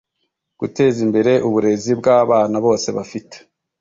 guteza imbere uburezi bw abana bose bafite